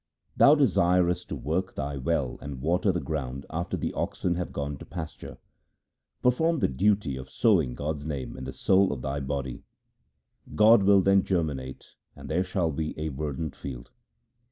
Thou desirest to work thy well and water the ground after the oxen have gone to pasture. Perform the duty of sowing God's name in the soil of thy body ; God will then germinate and there shall be a verdant field.